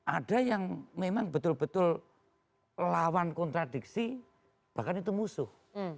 ada yang memang betul betul lawan kontradiksi bahkan itu musuh